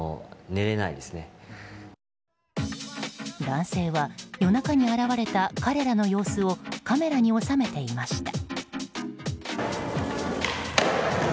男性は夜中に現れた彼らの様子をカメラに収めていました。